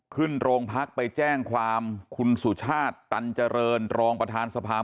ขึ้นโรงพักไปแจ้งความคุณสุชาติตันเจริญรองประธานสภา